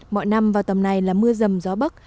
mọi năm vào tầm này là mưa rầm gió bắc